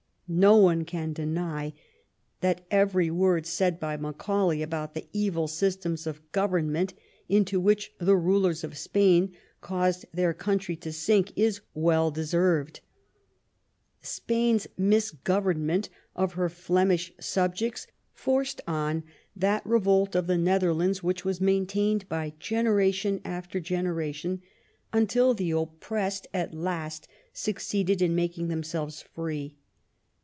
No one can deny that every word said by Macaulay about the evil systems of government into which the rulers of Spain caused their country to sink is well deserved. Spain's misgovemment of her Flem ish subjects forced on that revolt of the Netherlands which was maintained by generation after generation, until the oppressed at last succeeded in making them selves free.